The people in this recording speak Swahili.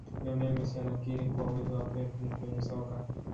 Lionel Messi anakiri kuwa uwezo wa pep ni kwenye soka